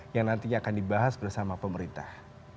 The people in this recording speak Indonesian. yang nantinya akan dibahas bersama pemerintah